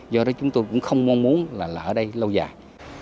do đó chúng tôi cũng không mong muốn là ở đây lâu dài